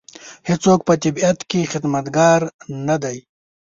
هېڅوک په طبیعت کې خدمتګار نه دی.